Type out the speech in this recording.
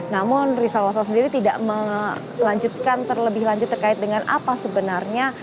namun rizal waspa sendiri tidak melanjutkan terlebih lanjut terkait dengan apa sebenarnya